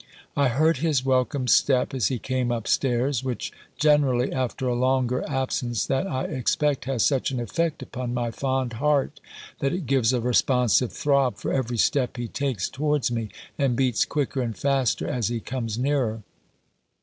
I heard his welcome step, as he came up stairs; which generally, after a longer absence than I expect, has such an effect upon my fond heart, that it gives a responsive throb for every step he takes towards me, and beats quicker and faster, as he comes nearer.